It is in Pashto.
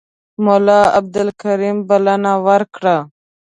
ملا عبدالکریم بلنه ورکړه.